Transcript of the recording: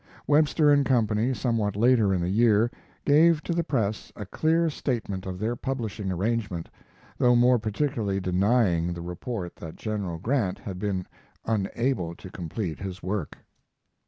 Webster & Co., somewhat later in the year, gave to the press a clear statement of their publishing arrangement, though more particularly denying the report that General Grant had been unable to complete his work.